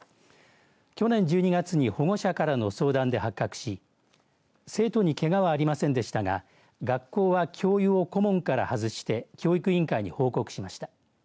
去年１２月に保護者からの相談で発覚し生徒にけがはありませんでしたが学校は教諭を顧問から外し教育委員会に報告しました。